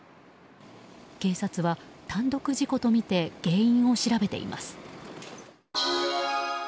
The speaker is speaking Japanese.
警察は単独事故とみて原因を調べています。